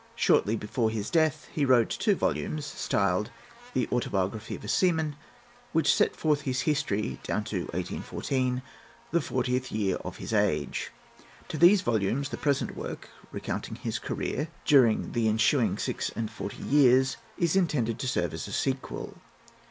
Shortly before his death he wrote two volumes, styled "The Autobiography of a Seaman," which set forth his history down to 1814, the fortieth year of his age. To those volumes the present work, recounting his career during the ensuing six and forty years, is intended to serve as a sequel.